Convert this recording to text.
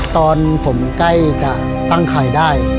ตอนผมใกล้จะตั้งขายได้